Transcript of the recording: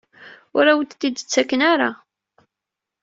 Ur awen-tent-id-ttaken ara?